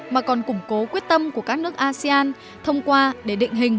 mà còn củng cố quyết tâm của các nước asean thông qua để định hình